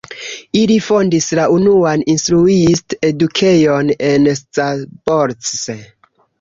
Ili fondis la unuan instruist-edukejon en Szabolcs.